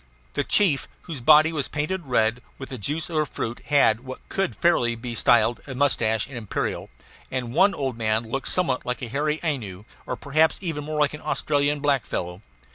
The chief, whose body was painted red with the juice of a fruit, had what could fairly be styled a mustache and imperial; and one old man looked somewhat like a hairy Ainu, or perhaps even more like an Australian black fellow.